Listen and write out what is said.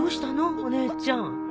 お姉ちゃん。